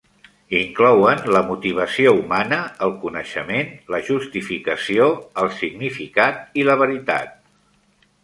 Inclouen la motivació humana, el coneixement, la justificació, el significat i la veritat.